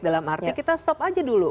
dalam arti kita stop aja dulu